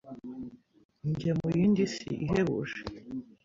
njya muyindi si ihebuje